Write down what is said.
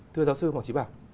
thưa giáo sư hồng chí bảo